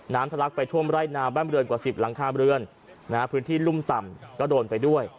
ทะลักไปท่วมไร่นาบ้านเรือนกว่าสิบหลังคาเรือนพื้นที่รุ่มต่ำก็โดนไปด้วย